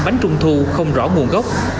bánh trung thu không rõ nguồn gốc